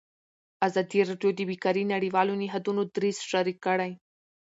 ازادي راډیو د بیکاري د نړیوالو نهادونو دریځ شریک کړی.